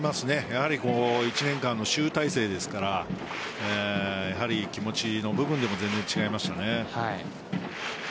やはり１年間の集大成ですから気持ちの部分でも全然違いましたね。